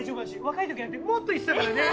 若いときなんてもっといってたからね！